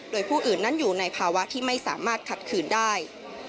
โดยผู้อื่นนั้นอยู่ในภาวะที่ไม่สามารถขัดขืนได้